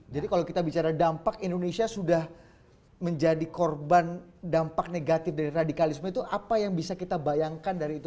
jadi kalau kita bicara dampak indonesia sudah menjadi korban dampak negatif dari radikalisme itu apa yang bisa kita bayangkan dari itu